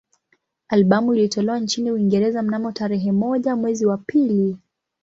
Albamu ilitolewa nchini Uingereza mnamo tarehe moja mwezi wa pili